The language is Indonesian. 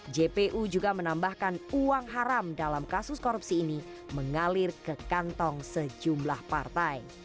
jpu juga menambahkan uang haram dalam kasus korupsi ini mengalir ke kantong sejumlah partai